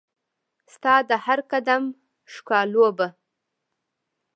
ستا د هرقدم ښکالو به